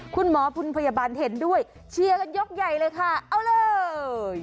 คุณหมอคุณพยาบาลเห็นด้วยเชียร์กันยกใหญ่เลยค่ะเอาเลย